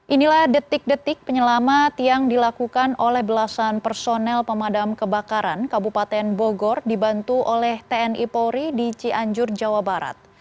inilah detik detik penyelamat yang dilakukan oleh belasan personel pemadam kebakaran kabupaten bogor dibantu oleh tni polri di cianjur jawa barat